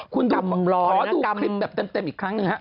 ขอดูคลิมแบบเต็มอีกครั้งหนึ่งค่ะ